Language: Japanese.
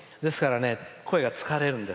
声が疲れるんです。